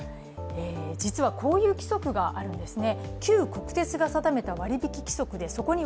実はこういう規則があるんですね。